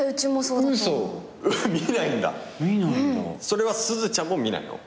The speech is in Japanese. それはすずちゃんも見ないの？